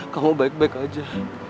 kamu baik baik aja